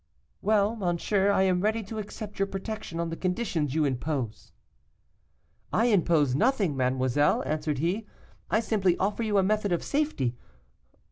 'Well, monsieur, I am ready to accept your protection on the conditions you impose.' "'I impose nothing, mademoiselle,' answered he, 'I simply offer you a method of safety.